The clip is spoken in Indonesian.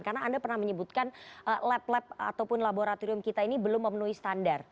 karena anda pernah menyebutkan lab lab ataupun laboratorium kita ini belum memenuhi standar